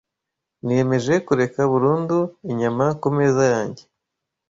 niyemeje kureka burundu inyama ku meza yanjye